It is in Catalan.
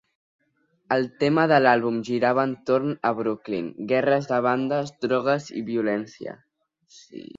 El tema de l'àlbum girava entorn a Brooklyn, guerres de bandes, drogues i violència.